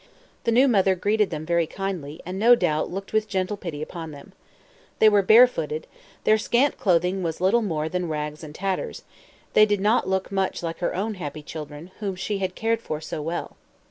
The new mother greeted them very kindly, and, no doubt, looked with gentle pity upon them. They were barefooted; their scant clothing was little more than rags and tatters; they did not look much like her own happy children, whom she had cared for so well.